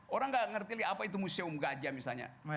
orang nggak ngerti apa itu museum gajah misalnya